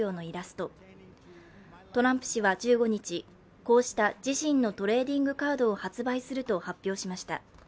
トランプ氏は１５日こうした自身のトレーディングカードを発売すると発表しました。